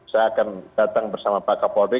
saya akan datang bersama pak kapolri